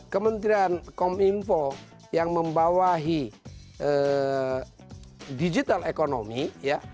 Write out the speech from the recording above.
kementerian kom info yang membawahi digital economy